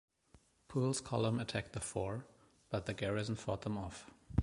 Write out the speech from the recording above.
Poole's column attacked the fort, but the garrison fought them off.